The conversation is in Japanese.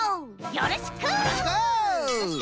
よろしく！